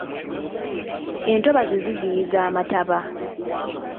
Entobazi ziziyiza amataba.